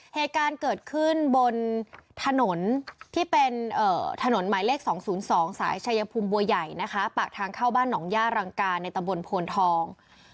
เหตุการณ์เกิดขึ้นบนถนนที่เป็นถนนหมายเลข๒๐๒สายชายภูมิบัวใหญ่นะคะปากทางเข้าบ้านหนองย่ารังกาในตะบนโพนทอง